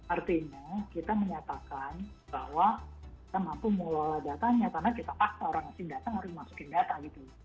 artinya kita menyatakan bahwa kita mampu mengelola datanya karena kita paksa orang asing datang harus masukin data gitu